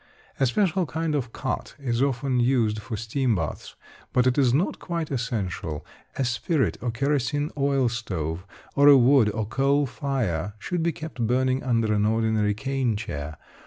A special kind of cot is often used for steam baths, but it is not quite essential. A spirit or kerosine oil stove, or a wood or coal fire, should be kept burning under an ordinary cane chair.